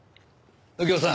右京さん。